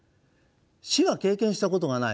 死は経験したことがない。